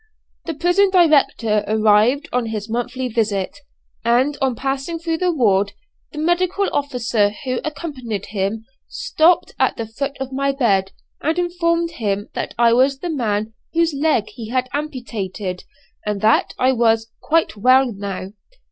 The prison director arrived on his monthly visit, and on passing through the ward, the medical officer who accompanied him stopped at the foot of my bed and informed him that I was the man whose leg he had amputated, and that I was "quite well now!"